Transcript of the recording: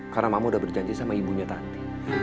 karena mama udah berjanji sama ibunya tanti